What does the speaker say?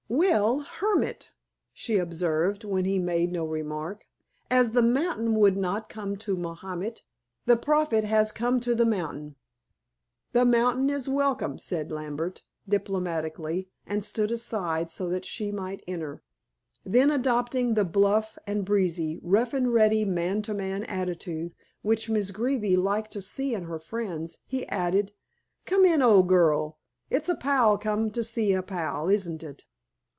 "Well, Hermit." she observed, when he made no remark. "As the mountain would not come to Mahomet, the prophet has come to the mountain." "The mountain is welcome," said Lambert diplomatically, and stood aside, so that she might enter. Then adopting the bluff and breezy, rough and ready man to man attitude, which Miss Greeby liked to see in her friends, he added: "Come in, old girl! It's a pal come to see a pal, isn't it?"